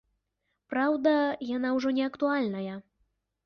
Праўда, яна ўжо не актуальная.